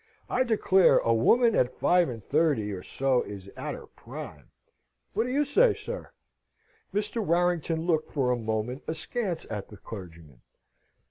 I declare, a woman at five and thirty or so is at her prime. What do you say, sir?" Mr. Warrington looked, for a moment, askance at the clergyman.